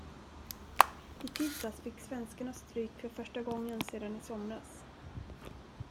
I tisdags fick svenskarna stryk för första gången sedan i somras.